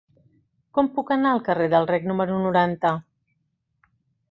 Com puc anar al carrer del Rec número noranta?